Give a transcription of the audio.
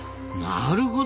なるほど！